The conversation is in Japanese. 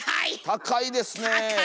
高いですね。